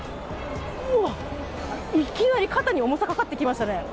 いきなり肩に重さがかかってきましたね。